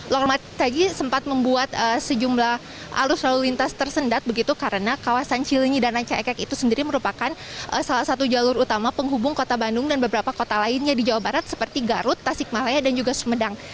long mart tadi sempat membuat sejumlah arus lalu lintas tersendat begitu karena kawasan cilinyi dan ranca ekek itu sendiri merupakan salah satu jalur utama penghubung kota bandung dan beberapa kota lainnya di jawa barat seperti garut tasikmalaya dan juga sumedang